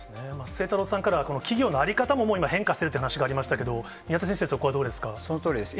晴太郎さんからは、企業の在り方も今変化しているという話がありましたけど、そのとおりです。